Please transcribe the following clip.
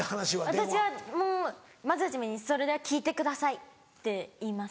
私はもうまず初めに「それでは聞いてください」って言います。